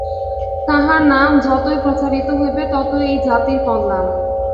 তাঁহার নাম যতই প্রচারিত হইবে, ততই এই জাতির কল্যাণ।